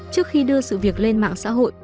trước khi đưa sự việc lên mạng xã hội